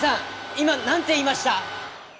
今何て言いました？